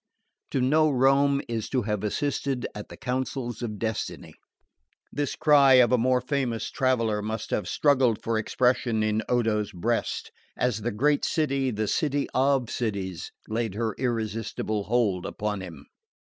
"To know Rome is to have assisted at the councils of destiny!" This cry of a more famous traveller must have struggled for expression in Odo's breast as the great city, the city of cities, laid her irresistible hold upon him.